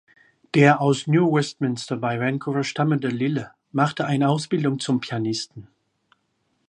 Der aus New Westminster bei Vancouver stammende Lyle machte eine Ausbildung zum Pianisten.